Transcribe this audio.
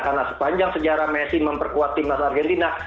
karena sepanjang sejarah messi memperkuat timnas argentina